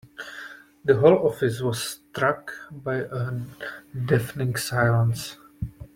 The whole office was struck by a deafening silence.